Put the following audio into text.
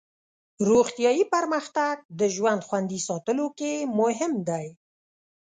روغتیایي پرمختګ د ژوند خوندي ساتلو کې مهم دی.